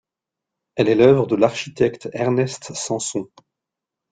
Elle est l’œuvre de l’architecte Ernest Sanson.